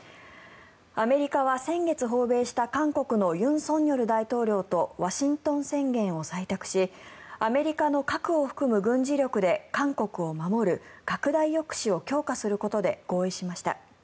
アメリカは先月訪米した韓国の尹錫悦大統領とワシントン宣言を採択しアメリカの核を含む軍事力で韓国を守る拡大抑止を強化することで合意しました。